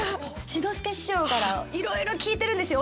志の輔師匠からいろいろ聞いてるんですよ。